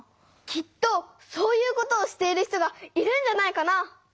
きっとそういうことをしている人がいるんじゃないかな？